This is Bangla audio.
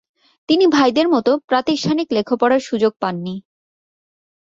তিনি ভাইদের মত প্রাতিষ্ঠানিক লেখাপড়ার সুযোগ পাননি।